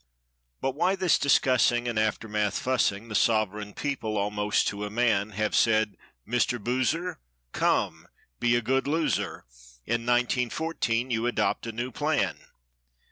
But, why this discussing, and after math fussing: The sovereign people, almost to a man, Have said "Mr. Boozer, come, be a good loser. In nineteen fourteen you adopt a new plan."